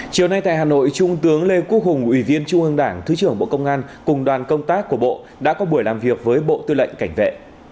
chiều nay tại hà nội trung tướng lê quốc hùng ủy viên trung ương đảng thứ trưởng bộ công an cùng đoàn công tác của bộ đã có buổi làm việc với bộ tư lệnh cảnh vệ